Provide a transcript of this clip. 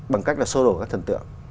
bằng cách là sô đổ các thần tượng